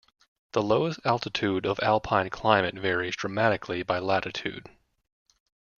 The lowest altitude of alpine climate varies dramatically by latitude.